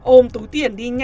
ôm túi tiền đi nhanh ra